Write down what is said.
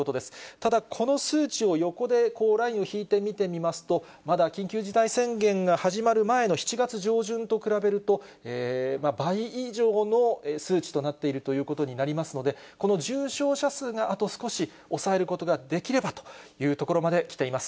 ただ、この数値を横でラインを引いて見てみますと、まだ緊急事態宣言が始まる前の７月上旬と比べると、倍以上の数値となっているということになりますので、この重症者数があと少し抑えることができればというところまできています。